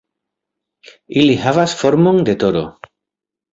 Ili havas formon de toro.